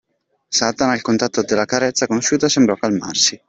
Satana, al contatto della carezza conosciuta, sembrò calmarsi.